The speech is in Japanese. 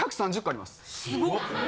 ・すごっ！